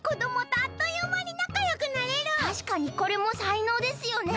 たしかにこれもさいのうですよね。